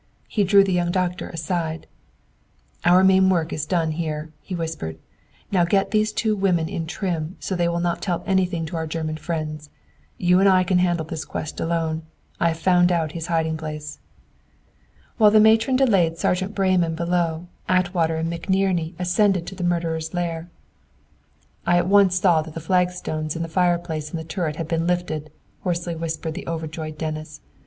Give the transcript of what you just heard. He drew the young doctor aside. "Our main work is done here," he whispered. "Now get these two women in trim so they will not tell anything to our German friends. You and I can handle this quest alone. I've found out his hiding place!" While the matron delayed Sergeant Breyman below, Atwater and McNerney ascended to the murderer's lair. "I at once saw that the flagstones of the fireplace in the turret had been lifted," hoarsely whispered the overjoyed Dennis.